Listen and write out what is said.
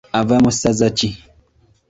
Ava mu ssaza ki?